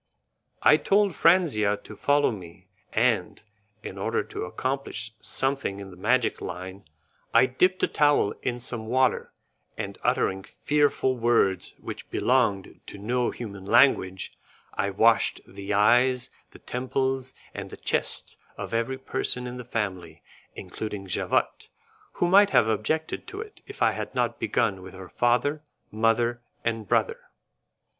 I told Franzia to follow me, and, in order to accomplish something in the magic line, I dipped a towel in some water, and uttering fearful words which belonged to no human language, I washed the eyes, the temples, and the chest of every person in the family, including Javotte, who might have objected to it if I had not begun with her father, mother, and brother.